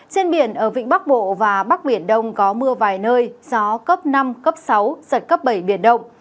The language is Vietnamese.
trên biển ở vịnh bắc bộ và bắc biển đông có mưa vài nơi gió cấp năm cấp sáu giật cấp bảy biển động